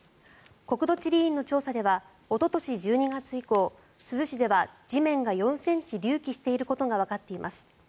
国土地理院の調査ではおととし１２月以降珠洲市では地面が４ｃｍ隆起していることがわかっています。